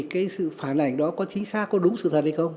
cái sự phản ảnh đó có chính xác có đúng sự thật hay không